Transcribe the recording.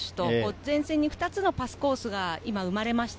前線に２つのパスコースが生まれました。